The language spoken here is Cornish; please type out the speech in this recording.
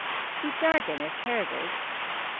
Yw da genev kerdhes?